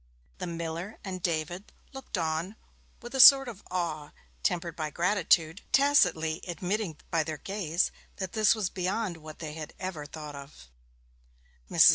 The miller and David looked on with a sort of awe tempered by gratitude, tacitly admitting by their gaze that this was beyond what they had ever thought of. Mrs.